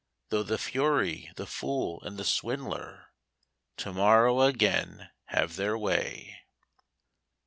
Though the fury, the fool, and the swindler, To morrow again have their way!